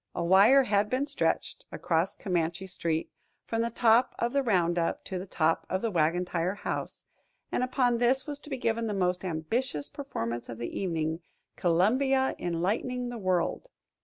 A wire had been stretched across Comanche Street from the top of the Roundup to the top of the Wagon Tire House, and upon this was to be given the most ambitious performance of the evening, "Columbia Enlightening the World."